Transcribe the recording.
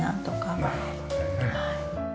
なるほどね。